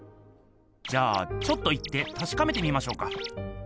じゃあちょっと行ってたしかめてみましょうか。